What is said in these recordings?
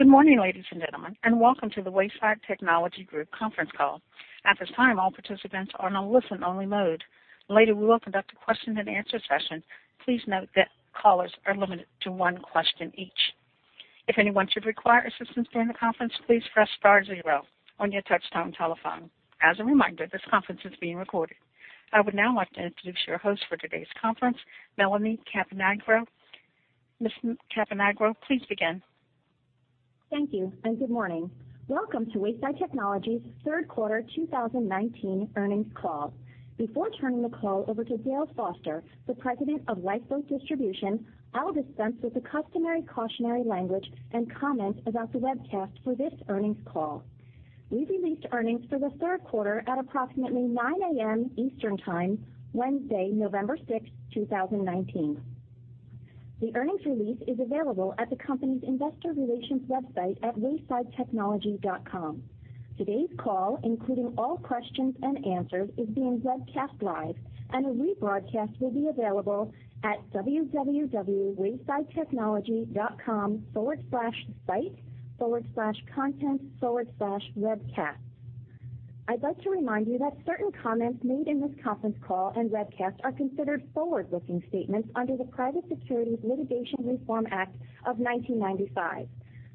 Good morning, ladies and gentlemen, and welcome to the Wayside Technology Group conference call. At this time, all participants are in a listen-only mode. Later, we will conduct a question and answer session. Please note that callers are limited to one question each. If anyone should require assistance during the conference, please press star zero on your touch-tone telephone. As a reminder, this conference is being recorded. I would now like to introduce your host for today's conference, Melanie Caponigro. Ms. Caponigro, please begin. Thank you, and good morning. Welcome to Wayside Technology's third quarter 2019 earnings call. Before turning the call over to Dale Foster, the President of Lifeboat Distribution, I will dispense with the customary cautionary language and comment about the webcast for this earnings call. We released earnings for the third quarter at approximately 9:00 A.M. Eastern Time, Wednesday, November 6th, 2019. The earnings release is available at the company's investor relations website at waysidetechnology.com. Today's call, including all questions and answers, is being webcast live, and a rebroadcast will be available at www.waysidetechnology.com/site/content/webcasts. I'd like to remind you that certain comments made in this conference call and webcast are considered forward-looking statements under the Private Securities Litigation Reform Act of 1995.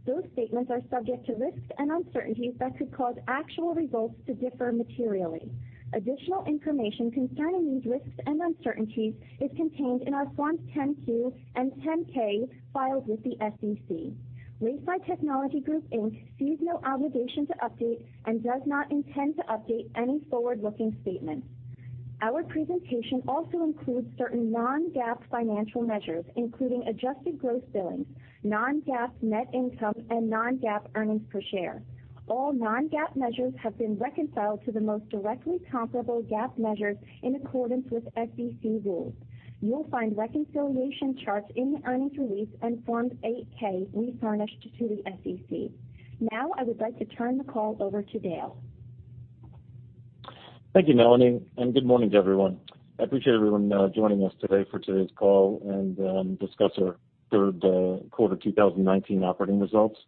Those statements are subject to risks and uncertainties that could cause actual results to differ materially. Additional information concerning these risks and uncertainties is contained in our Forms 10-Q and 10-K filed with the SEC. Wayside Technology Group, Inc., sees no obligation to update and does not intend to update any forward-looking statement. Our presentation also includes certain non-GAAP financial measures, including adjusted gross billings, non-GAAP net income, and non-GAAP earnings per share. All non-GAAP measures have been reconciled to the most directly comparable GAAP measures in accordance with SEC rules. You will find reconciliation charts in the earnings release and Forms 8-K we furnished to the SEC. Now, I would like to turn the call over to Dale. Thank you, Melanie. Good morning to everyone. I appreciate everyone joining us today for today's call and discuss our third quarter 2019 operating results.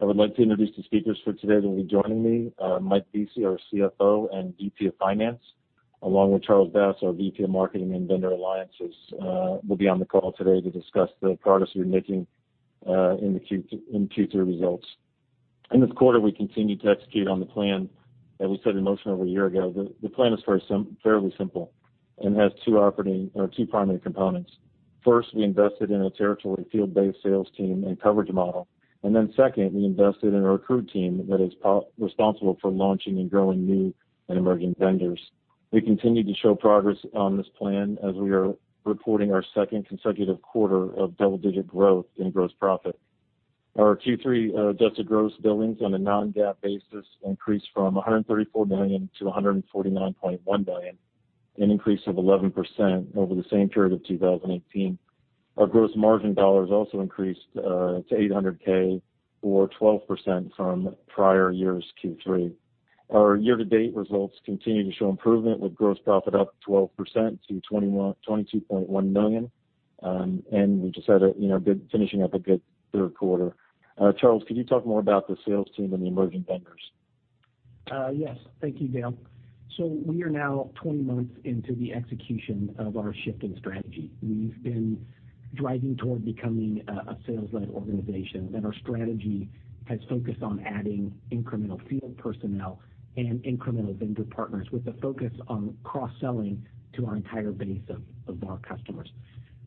I would like to introduce the speakers for today that will be joining me. Mike Vesey, our CFO and VP of Finance, along with Charles Bass, our VP of Marketing and Vendor Alliances, will be on the call today to discuss the progress we're making in the Q3 results. In this quarter, we continued to execute on the plan that we set in motion over a year ago. The plan is fairly simple and has two primary components. First, we invested in a territory field-based sales team and coverage model. Second, we invested in a recruit team that is responsible for launching and growing new and emerging vendors. We continue to show progress on this plan as we are reporting our second consecutive quarter of double-digit growth in gross profit. Our Q3 adjusted gross billings on a non-GAAP basis increased from $134 million to $149.1 million, an increase of 11% over the same period of 2018. Our gross margin dollars also increased to $800K, or 12% from prior year's Q3. Our year-to-date results continue to show improvement, with gross profit up 12% to $22.1 million, and we just had a good finishing up a good third quarter. Charles, could you talk more about the sales team and the emerging vendors? Yes. Thank you, Dale. We are now 20 months into the execution of our shift in strategy. We've been driving toward becoming a sales-led organization, and our strategy has focused on adding incremental field personnel and incremental vendor partners with a focus on cross-selling to our entire base of our customers.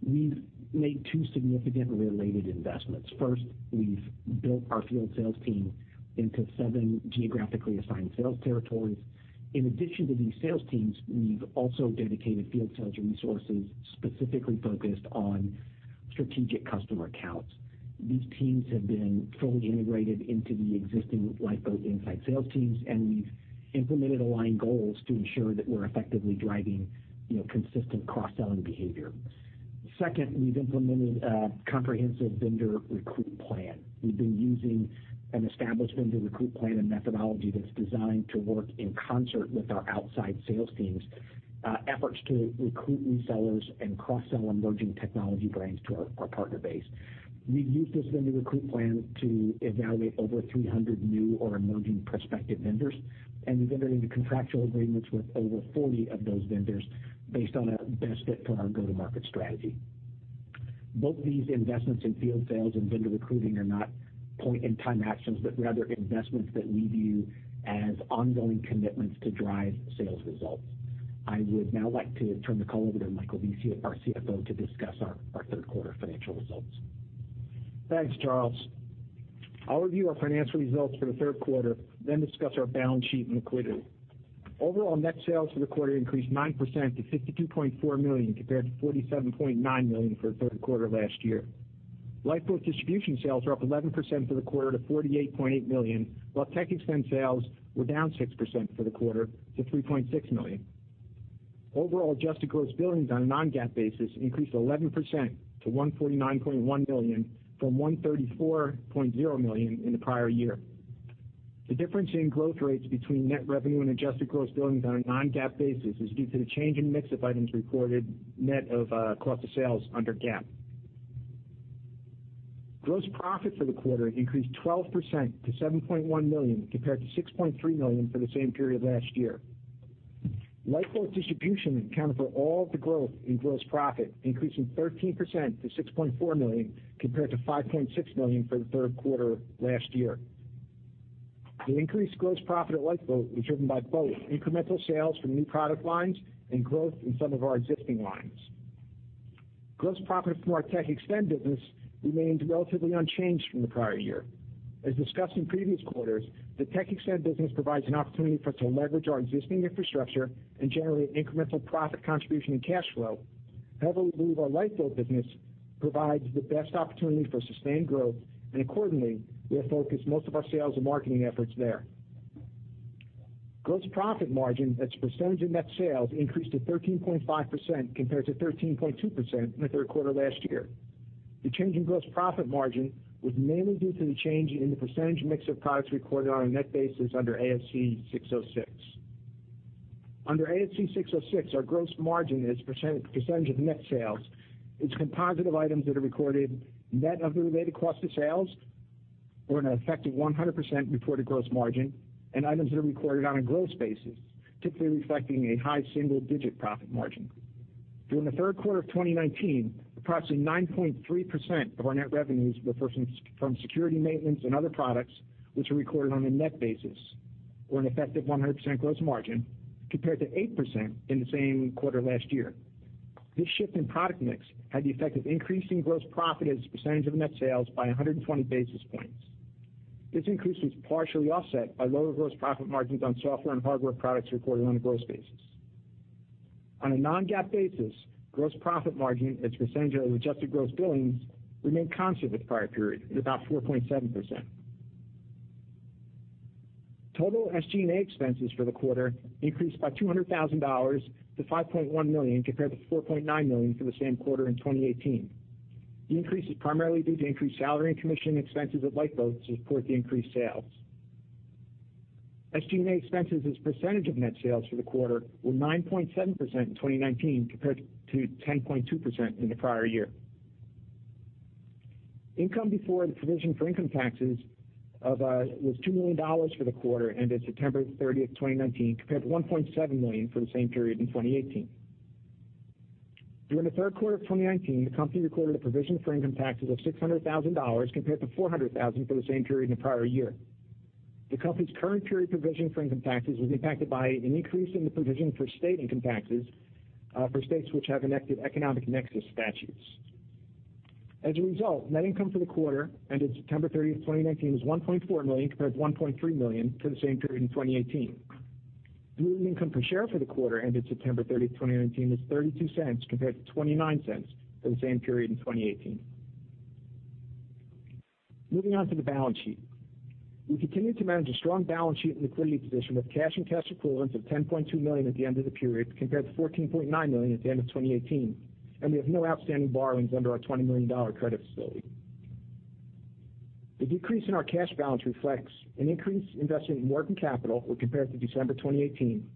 We've made two significant related investments. First, we've built our field sales team into seven geographically assigned sales territories. In addition to these sales teams, we've also dedicated field sales resources specifically focused on strategic customer accounts. These teams have been fully integrated into the existing Lifeboat inside sales teams, and we've implemented aligned goals to ensure that we're effectively driving consistent cross-selling behavior. Second, we've implemented a comprehensive vendor recruit plan. We've been using an established vendor recruit plan and methodology that's designed to work in concert with our outside sales teams' efforts to recruit resellers and cross-sell emerging technology brands to our partner base. We've used this vendor recruit plan to evaluate over 300 new or emerging prospective vendors, and we've entered into contractual agreements with over 40 of those vendors based on a best fit for our go-to-market strategy. Both these investments in field sales and vendor recruiting are not point-in-time actions, but rather investments that we view as ongoing commitments to drive sales results. I would now like to turn the call over to Michael Vesey, our CFO, to discuss our third-quarter financial results. Thanks, Charles. I'll review our financial results for the third quarter, then discuss our balance sheet and liquidity. Overall net sales for the quarter increased 9% to $52.4 million compared to $47.9 million for the third quarter last year. Lifeboat Distribution sales are up 11% for the quarter to $48.8 million, while TechXtend sales were down 6% for the quarter to $3.6 million. Overall adjusted gross billings on a non-GAAP basis increased 11% to $149.1 million from $134.0 million in the prior year. The difference in growth rates between net revenue and adjusted gross billings on a non-GAAP basis is due to the change in mix of items recorded net of cost of sales under GAAP. Gross profit for the quarter increased 12% to $7.1 million compared to $6.3 million for the same period last year. Lifeboat Distribution accounted for all the growth in gross profit, increasing 13% to $6.4 million compared to $5.6 million for the third quarter last year. The increased gross profit at Lifeboat was driven by both incremental sales from new product lines and growth in some of our existing lines. Gross profit from our TechXtend business remained relatively unchanged from the prior year. As discussed in previous quarters, the TechXtend business provides an opportunity for us to leverage our existing infrastructure and generate incremental profit contribution and cash flow. However, we believe our Lifeboat business provides the best opportunity for sustained growth, and accordingly, we have focused most of our sales and marketing efforts there. Gross profit margin as a percentage of net sales increased to 13.5% compared to 13.2% in the third quarter last year. The change in gross profit margin was mainly due to the change in the percentage mix of products recorded on a net basis under ASC 606. Under ASC 606, our gross margin as a percentage of net sales is composite of items that are recorded net of the related cost of sales or an effective 100% reported gross margin, and items that are recorded on a gross basis, typically reflecting a high single-digit profit margin. During the third quarter of 2019, approximately 9.3% of our net revenues were from security maintenance and other products, which were recorded on a net basis or an effective 100% gross margin compared to 8% in the same quarter last year. This shift in product mix had the effect of increasing gross profit as a percentage of net sales by 120 basis points. This increase was partially offset by lower gross profit margins on software and hardware products reported on a gross basis. On a non-GAAP basis, gross profit margin as a percentage of adjusted gross billings remained constant with the prior period at about 4.7%. Total SG&A expenses for the quarter increased by $200,000 to $5.1 million compared to $4.9 million for the same quarter in 2018. The increase is primarily due to increased salary and commission expenses at Lifeboat to support the increased sales. SG&A expenses as a percentage of net sales for the quarter were 9.7% in 2019 compared to 10.2% in the prior year. Income before the provision for income taxes was $2 million for the quarter ended September 30, 2019, compared to $1.7 million for the same period in 2018. During the third quarter of 2019, the company recorded a provision for income taxes of $600,000 compared to $400,000 for the same period in the prior year. The company's current period provision for income taxes was impacted by an increase in the provision for state income taxes for states which have enacted economic nexus statutes. As a result, net income for the quarter ended September 30, 2019, was $1.4 million compared to $1.3 million for the same period in 2018. Diluted income per share for the quarter ended September 30th, 2019, was $0.32 compared to $0.29 for the same period in 2018. Moving on to the balance sheet. We continued to manage a strong balance sheet and liquidity position with cash and cash equivalents of $10.2 million at the end of the period compared to $14.9 million at the end of 2018, and we have no outstanding borrowings under our $20 million credit facility. The decrease in our cash balance reflects an increase invested in working capital when compared to December 2018,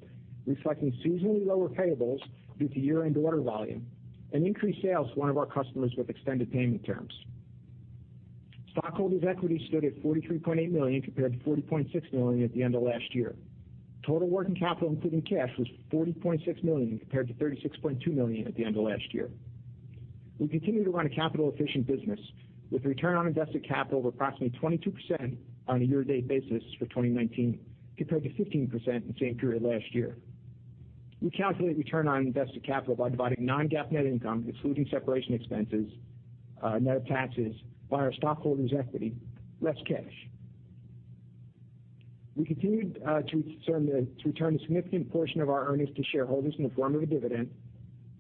reflecting seasonally lower payables due to year-end order volume and increased sales to one of our customers with extended payment terms. Stockholders' equity stood at $43.8 million compared to $40.6 million at the end of last year. Total working capital, including cash, was $40.6 million compared to $36.2 million at the end of last year. We continue to run a capital-efficient business with return on invested capital of approximately 22% on a year-to-date basis for 2019 compared to 15% in the same period last year. We calculate return on invested capital by dividing non-GAAP net income, excluding separation expenses net of taxes, by our stockholders' equity less cash. We continued to return a significant portion of our earnings to shareholders in the form of a dividend.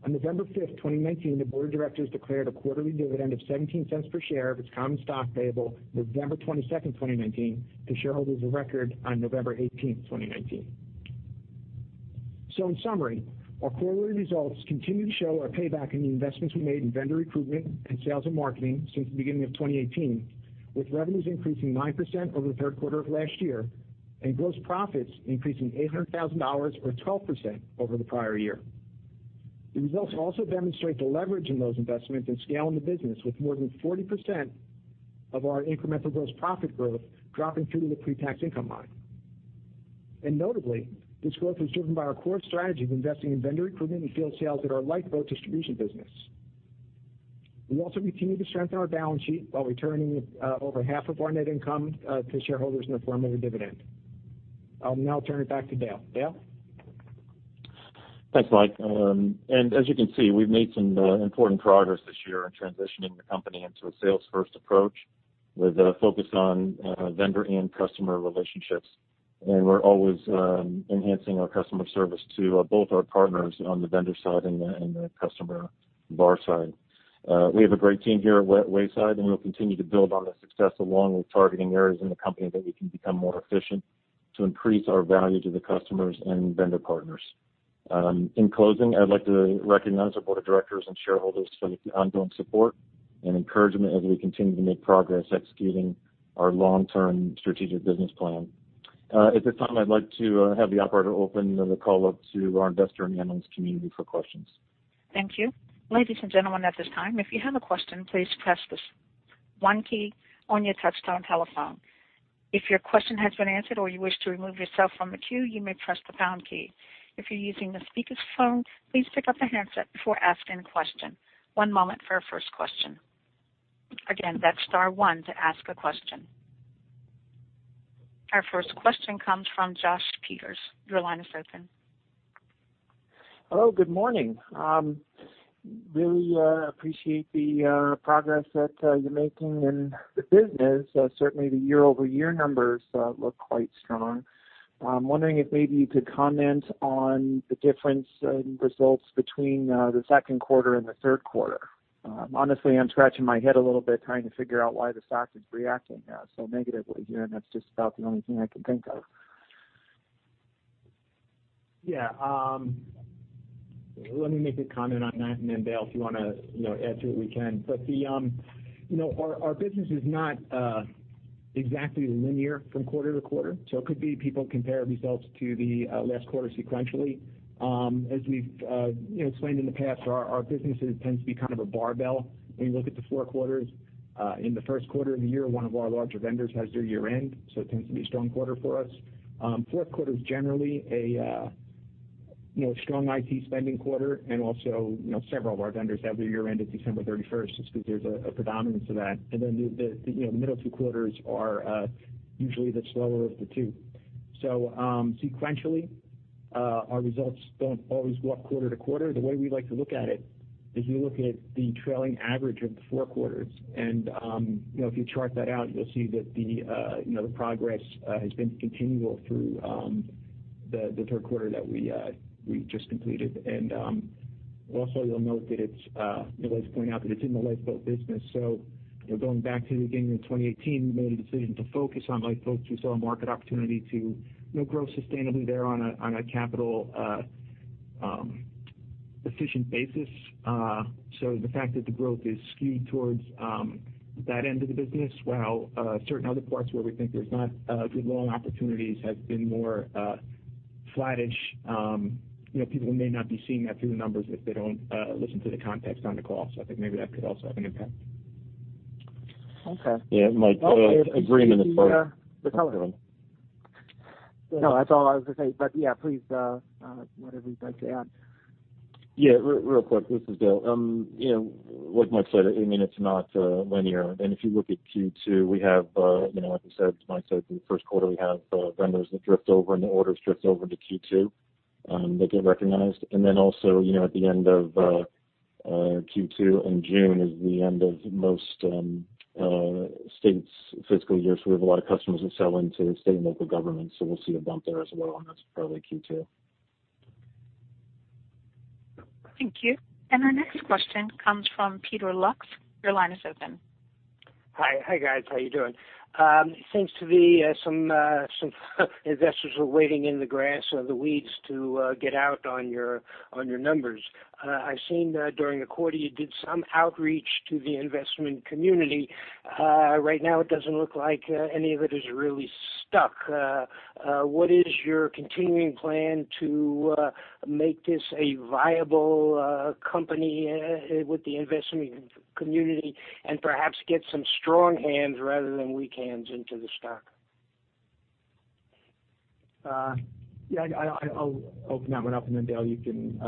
On November 5th, 2019, the board of directors declared a quarterly dividend of $0.17 per share of its common stock payable November 22nd, 2019, to shareholders of record on November 18th, 2019. In summary, our quarterly results continue to show our payback in the investments we made in vendor recruitment and sales and marketing since the beginning of 2018, with revenues increasing 9% over the third quarter of last year and gross profits increasing $800,000 or 12% over the prior year. The results also demonstrate the leverage in those investments and scale in the business with more than 40% of our incremental gross profit growth dropping through to the pre-tax income line. Notably, this growth was driven by our core strategy of investing in vendor recruitment and field sales at our Lifeboat Distribution business. We also continue to strengthen our balance sheet while returning over half of our net income to shareholders in the form of a dividend. I'll now turn it back to Dale. Dale? Thanks, Mike. As you can see, we've made some important progress this year in transitioning the company into a sales-first approach with a focus on vendor and customer relationships. We're always enhancing our customer service to both our partners on the vendor side and the customer partner side. We have a great team here at Wayside, and we'll continue to build on that success along with targeting areas in the company that we can become more efficient to increase our value to the customers and vendor partners. In closing, I'd like to recognize our board of directors and shareholders for the ongoing support and encouragement as we continue to make progress executing our long-term strategic business plan. At this time, I'd like to have the operator open the call up to our investor and analyst community for questions. Thank you. Ladies and gentlemen, at this time, if you have a question, please press the one key on your touchtone telephone. If your question has been answered or you wish to remove yourself from the queue, you may press the pound key. If you're using a speakerphone, please pick up the handset before asking a question. One moment for our first question. Again, that's star one to ask a question. Our first question comes from Josh Peters. Your line is open. Hello, good morning. Really appreciate the progress that you're making in the business. Certainly, the year-over-year numbers look quite strong. I'm wondering if maybe you could comment on the difference in results between the second quarter and the third quarter. Honestly, I'm scratching my head a little bit trying to figure out why the stock is reacting so negatively here, and that's just about the only thing I can think of. Let me make a comment on that and then, Dale, if you want to add to it, we can. Our business is not exactly linear from quarter-to-quarter, so it could be people compare results to the last quarter sequentially. As we've explained in the past, our businesses tends to be kind of a barbell when you look at the 4 quarters. In the first quarter of the year, one of our larger vendors has their year-end, so it tends to be a strong quarter for us. Fourth quarter is generally a strong IT spending quarter and also several of our vendors have their year-end at December 31st, so there's a predominance of that. The middle 2 quarters are usually the slower of the 2. Sequentially, our results don't always walk quarter-to-quarter. The way we like to look at it is you look at the trailing average of the four quarters, and if you chart that out, you'll see that the progress has been continual through the third quarter that we just completed. Also you'll note that it's, Mike's pointing out that it's in the Lifeboat business. Going back to the beginning of 2018, we made a decision to focus on Lifeboat because we saw a market opportunity to grow sustainably there on a capital efficient basis. The fact that the growth is skewed towards that end of the business, while certain other parts where we think there's not good long opportunities has been more flattish. People may not be seeing that through the numbers if they don't listen to the context on the call. I think maybe that could also have an impact. Okay. Yeah, Mike, agree and then- If you want to- Dale. No, that's all I was going to say, but yeah, please, whatever you'd like to add. Yeah, real quick, this is Dale. Like Mike said, it's not linear. If you look at Q2, we have, like you said, Mike said, in the first quarter, we have vendors that drift over and the orders drift over to Q2. They get recognized. Also, at the end of Q2 in June is the end of most states' fiscal year, so we have a lot of customers that sell into state and local governments. We'll see a bump there as well, and that's probably Q2. Thank you. Our next question comes from Peter Lux. Your line is open. Hi, guys. How you doing? Seems to be some investors were waiting in the grass or the weeds to get out on your numbers. I've seen during the quarter you did some outreach to the investment community. Right now it doesn't look like any of it has really stuck. What is your continuing plan to make this a viable company with the investment community and perhaps get some strong hands rather than weak hands into the stock? Yeah, I'll open that one up and then Dale, you can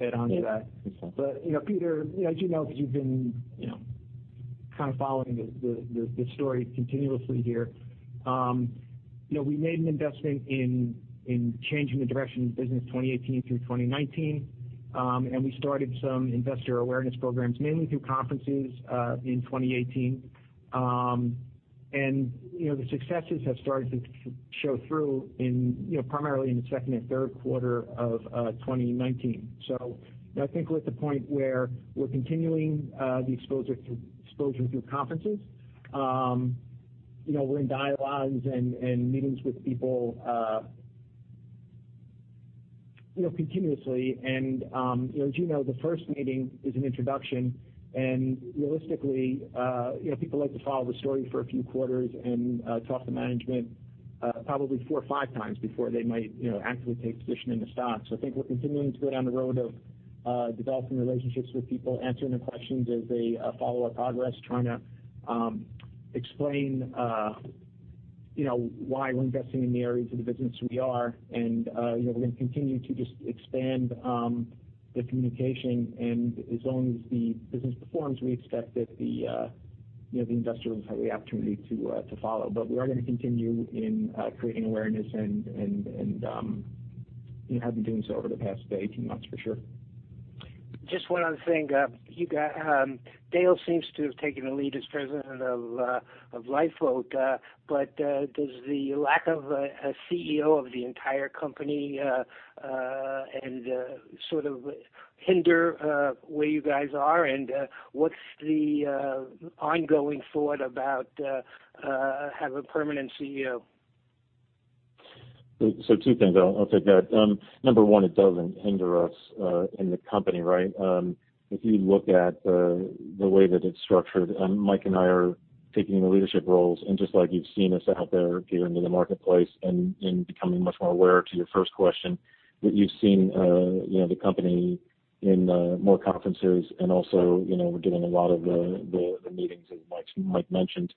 add onto that. Yeah. Peter, as you know, because you've been kind of following the story continuously here. We made an investment in changing the direction of the business 2018 through 2019. We started some investor awareness programs, mainly through conferences, in 2018. The successes have started to show through primarily in the second and third quarter of 2019. I think we're at the point where we're continuing the exposure through conferences. We're in dialogues and meetings with people continuously and, as you know, the first meeting is an introduction, and realistically people like to follow the story for a few quarters and talk to management probably four or five times before they might actually take a position in the stock. I think we're continuing to go down the road of developing relationships with people, answering their questions as they follow our progress, trying to explain why we're investing in the areas of the business we are. We're going to continue to just expand the communication, and as long as the business performs, we expect that the investors will have the opportunity to follow. We are going to continue in creating awareness and have been doing so over the past 18 months for sure. Just one other thing. Dale seems to have taken the lead as President of Lifeboat, but does the lack of a CEO of the entire company sort of hinder where you guys are and what's the ongoing thought about have a permanent CEO? Two things, I'll take that. Number one, it doesn't hinder us in the company, right? If you look at the way that it's structured, Mike and I are taking the leadership roles, and just like you've seen us out there appearing in the marketplace and becoming much more aware to your first question, that you've seen the company in more conferences and also we're doing a lot of the meetings, as Mike mentioned.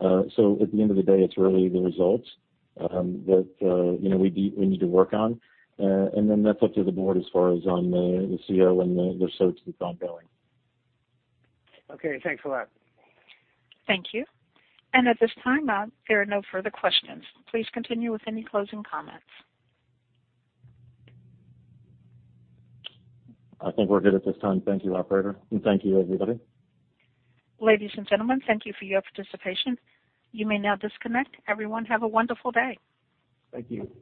At the end of the day, it's really the results that we need to work on. That's up to the board as far as on the CEO and the search that's ongoing. Okay. Thanks a lot. Thank you. At this time, there are no further questions. Please continue with any closing comments. I think we're good at this time. Thank you, operator, and thank you, everybody. Ladies and gentlemen, thank you for your participation. You may now disconnect. Everyone have a wonderful day. Thank you.